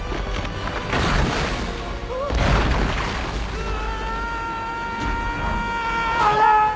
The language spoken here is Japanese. うわ‼